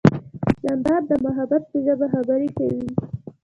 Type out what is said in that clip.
جانداد د محبت په ژبه خبرې کوي.